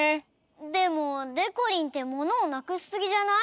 でもでこりんってものをなくしすぎじゃない？